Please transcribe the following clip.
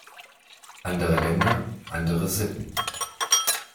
Andere Länder, andere Sitten.